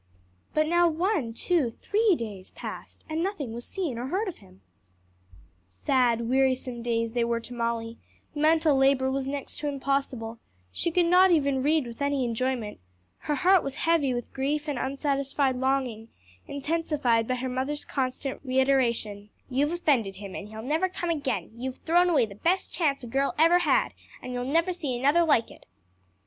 But now one, two, three days passed and nothing was seen or heard of him. Sad, wearisome days they were to Molly: mental labor was next to impossible; she could not even read with any enjoyment; her heart was heavy with grief and unsatisfied longing, intensified by her mother's constant reiteration, "You've offended him, and he'll never come again; you've thrown away the best chance a girl ever had; and you'll never see another like it."